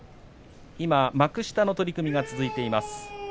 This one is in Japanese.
今、幕下の取組が続いています。